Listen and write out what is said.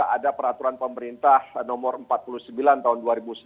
ada peraturan pemerintah nomor empat puluh sembilan tahun dua ribu sembilan belas